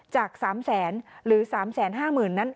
จาก๓๐๐๐๐๐บาทหรือ๓๕๐๐๐๐บาทนั้น